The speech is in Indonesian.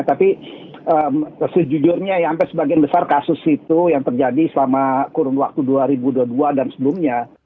tapi sejujurnya sampai sebagian besar kasus itu yang terjadi selama kurun waktu dua ribu dua puluh dua dan sebelumnya